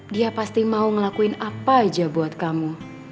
dia pasti mau ngelakuin apa aja buat kamu